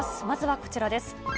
まずはこちらです。